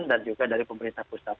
dan juga dari pemerintah pusat